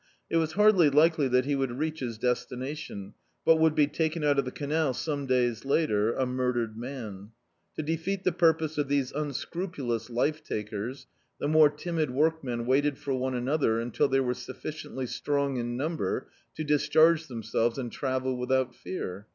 It was hardly likely that he would reach his destina tion, but would be taken out of the canal some days later — a murdered maru To defeat the purpose of these unscrupulous life takers, the more timid work men waited for one another until they were suffi ciently strong in number to discharge themselves and travel without fear.